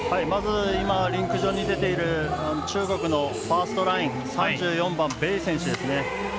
まずリンク上に出ている中国のファーストライン３４番、米選手ですね。